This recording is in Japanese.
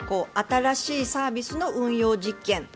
新しいサービスの運用実験。